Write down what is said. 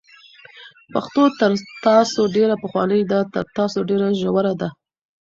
پښتو تر تاسو ډېره پخوانۍ ده، تر تاسو ډېره ژوره ده،